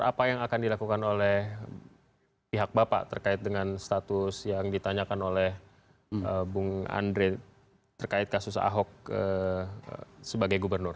apa yang akan dilakukan oleh pihak bapak terkait dengan status yang ditanyakan oleh bung andre terkait kasus ahok sebagai gubernur